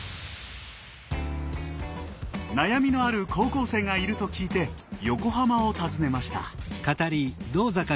悩みのある高校生がいると聞いて横浜を訪ねました。